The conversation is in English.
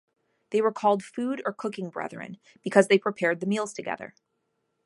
They were called food-, or cooking-brethren, because they prepared the meals together.